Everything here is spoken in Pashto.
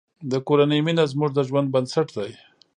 د کورنۍ مینه زموږ د ژوند بنسټ دی.